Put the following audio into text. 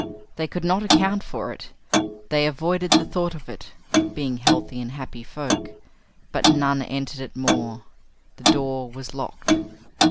They could not account for it. They avoided the thought of it, being healthy and happy folk. But none entered it more. The door was locked.